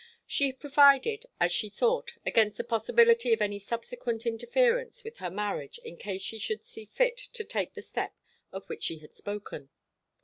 She had provided, as she thought, against the possibility of any subsequent interference with her marriage in case she should see fit to take the step of which she had spoken.